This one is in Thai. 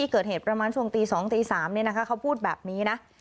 เกิดเหตุประมาณช่วงตี๒ตี๓เขาพูดแบบนี้นะ